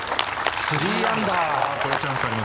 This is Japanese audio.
３アンダー。